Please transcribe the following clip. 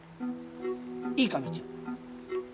いいか道雄。